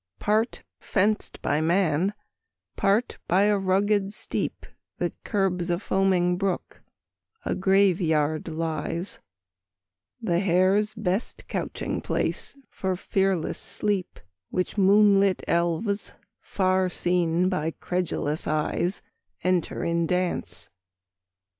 ] Part fenced by man, part by a rugged steep That curbs a foaming brook, a Grave yard lies; The hare's best couching place for fearless sleep; Which moonlit elves, far seen by credulous eyes, Enter in dance.